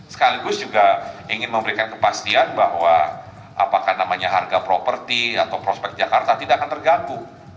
sekaligus juga ingin memberikan kepastian bahwa apakah namanya harga properti atau prospek jakarta tidak akan terganggu